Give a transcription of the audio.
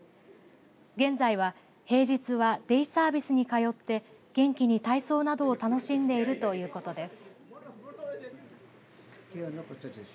現在は平日はデイサービスに通って元気に体操などを楽しんでいるということです。